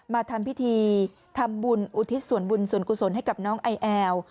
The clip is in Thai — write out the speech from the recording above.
มาทำพิธีทำบุญอุทิศสวรรค์บุญสวรรค์กุศลให้กับน้องไอแอว